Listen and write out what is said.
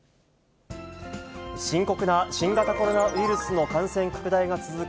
深刻な新型コロナウイルスの感染拡大が続く